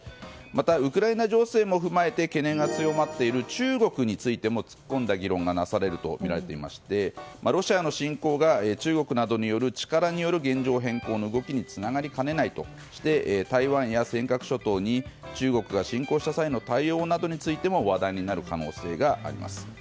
また、ウクライナ情勢も踏まえて懸念が強まっている中国についても突っ込んだ議論がなされるとみられていましてロシアの侵攻が中国などによる力による現状変更の動きにつながりかねないとして台湾や尖閣諸島に中国が侵攻した際の対応などについても話題になる可能性があります。